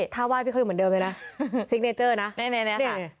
ถ้าว่าพี่เขาอยู่เหมือนเดิมเลยนะซิกเนเจอร์นะแน่ค่ะ